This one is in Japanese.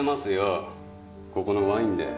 ここのワインで。